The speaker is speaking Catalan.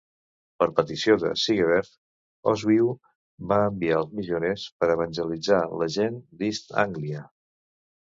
Per petició de Sigeberht, Oswiu va enviar els missioners per evangelitzar la gent d'East Anglia.